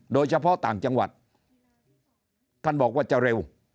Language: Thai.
โดยเฉพาะต่างจังหวัดท่านบอกว่าจะเร็ว